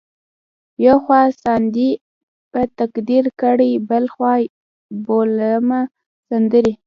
یو خوا ساندې په تقدیر کړم بل خوا بولمه سندرې